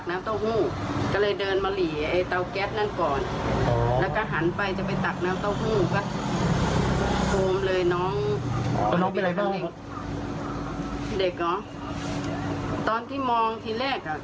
น้องมีอะไรบ้างเด็กอ๋อตอนที่มองทีแรกอ่ะ